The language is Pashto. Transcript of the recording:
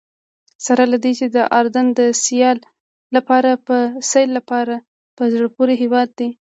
سره له دې چې اردن د سیل لپاره په زړه پورې هېواد دی.